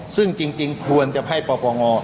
ซึ่งจริงควรจะให้ปปง